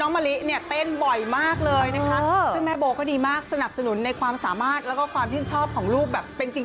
แม่โบแวลด่ากับน้องมาลี้นั่นเอง